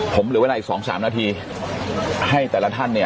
ผมเหลือเวลาอีก๒๓นาทีให้แต่ละท่านเนี่ย